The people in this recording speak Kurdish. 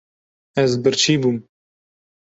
Ez birçî bûm.